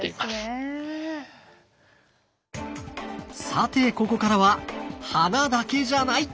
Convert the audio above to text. さてここからは花だけじゃない！